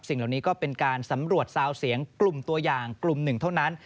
เหล่านี้ก็เป็นการสำรวจซาวเสียงกลุ่มตัวอย่างกลุ่มหนึ่งเท่านั้น